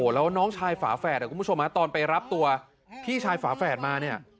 แล้วน้องชายฝาแฝดคุณผู้ชมตอนไปรับตัวพี่ชายฝาแฝดมาเนี่ย